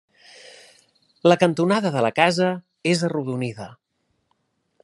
La cantonada de la casa és arrodonida.